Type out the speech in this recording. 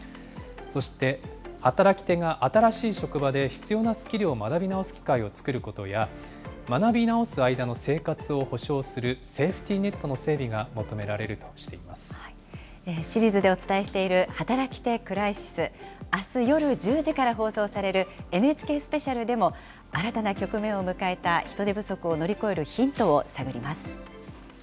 そして働き手が新しい職場で必要なスキルを学び直す機会を作ることや、学び直す間の生活を保障するセーフティーネットの整備が求められシリーズでお伝えしている働き手クライシス、あす夜１０時から放送されるＮＨＫスペシャルでも、新たな局面を迎えた人手不足を乗り越えるヒントを探ります。